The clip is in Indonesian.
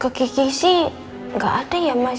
ke kiki sih gak ada ya mas